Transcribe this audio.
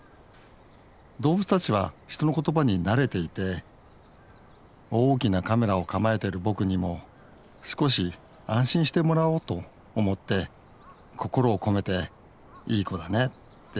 動物たちは人の言葉に慣れていて大きなカメラを構えている僕にも少し安心してもらおうと思って心を込めて「いい子だね」って言っています